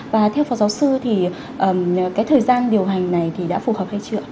và theo phó giáo sư thì thời gian điều hành này đã phù hợp hay chưa